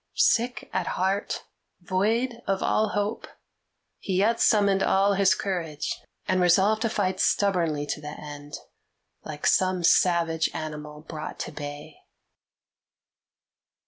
Sick at heart, void of all hope, he yet summoned all his courage, and resolved to fight stubbornly to the end, like some savage animal brought to bay.